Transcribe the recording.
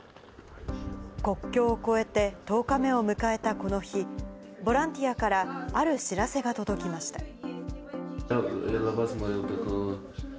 国境を越えて１０日目を迎えたこの日、ボランティアから、ある知らせが届きました。